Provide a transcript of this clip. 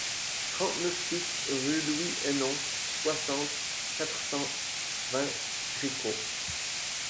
trente-neuf BIS rue Louis Hennon, soixante, quatre cent vingt, Tricot